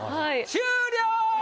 終了！